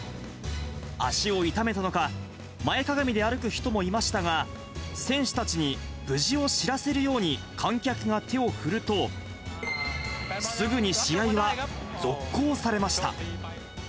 足を痛めたのか、前かがみで歩く人もいましたが、選手たちに無事を知らせるように観客が手を振ると、すぐに試合は続行されました。